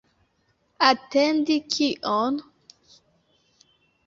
Atendi kion?